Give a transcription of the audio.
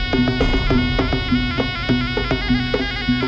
สวัสดีครับ